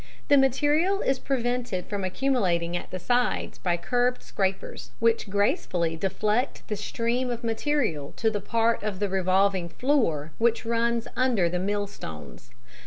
The material is prevented from accumulating at the sides by curved scrapers, which gracefully deflect the stream of material to the part of the revolving floor which runs under the mill stones.